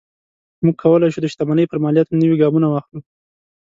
موږ کولی شو د شتمنۍ پر مالیاتو نوي ګامونه واخلو.